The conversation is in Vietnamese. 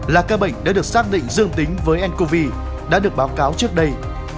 là ca bệnh đã được xác định dương tính với ncov đã được báo cáo trước đây